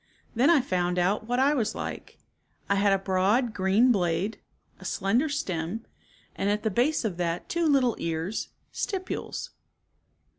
Then I found out what I was like. I had a broad green blade, a slender stem, and at the base of that two little ears, stipules.